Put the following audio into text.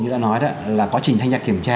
như đã nói đó là quá trình thanh tra kiểm tra